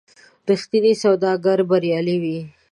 رښتینی سوداګر بریالی وي.